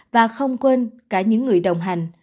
và không quên cả những người đồng hành